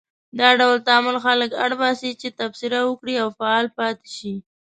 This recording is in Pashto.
دا ډول تعامل خلک اړ باسي چې تبصره وکړي او فعال پاتې شي.